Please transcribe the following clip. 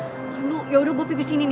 aduh yaudah gue pipis ini nih